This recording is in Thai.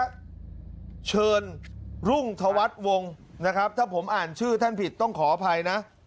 เชิญรุ่งธวัฒน์วงนะครับถ้าผมอ่านชื่อท่านผิดต้องขออภัยนะ